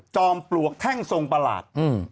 ปลวกแท่งทรงประหลาด